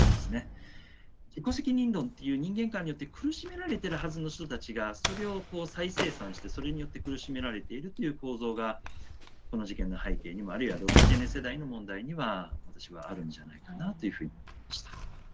自己責任論という人間観によって苦しめられてるはずの人たちがそれをこう再生産してそれによって苦しめられているという構造がこの事件の背景にもあるいはロスジェネ世代の問題には私はあるんじゃないかなというふうに思いました。